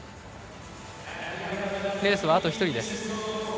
レースはあと１人です。